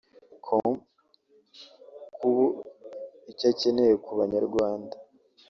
com ko ubu icyo akeneye ku banyarwanda